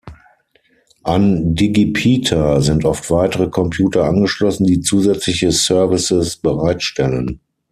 An Digipeater sind oft weitere Computer angeschlossen, die zusätzliche Services bereitstellen.